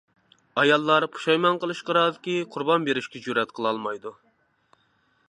ئاياللار پۇشايمان قىلىشقا رازىكى قۇربان بېرىشكە جۈرئەت قىلالمايدۇ.